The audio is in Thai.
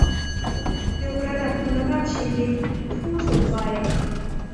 ยกระดับคุณภาพชีวิตผู้สูงวัย